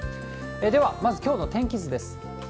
では、まずきょうの天気図です。